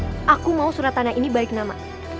bang salim aku mau surat tanah ini balik nama